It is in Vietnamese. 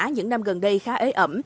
những năm gần đây khá ế ẩm